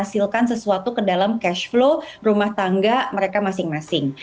menghasilkan sesuatu ke dalam cash flow rumah tangga mereka masing masing